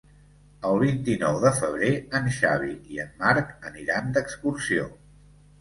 El vint-i-nou de febrer en Xavi i en Marc aniran d'excursió.